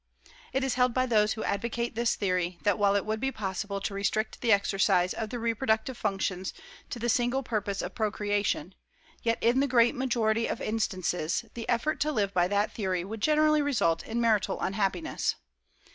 It is held by those who advocate this theory, that while it would be possible to restrict the exercise of the reproductive functions to the single purpose of procreation, yet in the great majority of instances the effort to live by that theory would generally result in marital unhappiness.